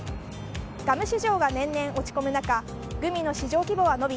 ガム市場が年々落ち込む中グミの市場規模は伸び